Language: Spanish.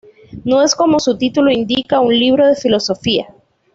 No es como su título indica un libro de filosofía.